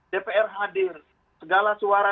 dpr hadir segala suara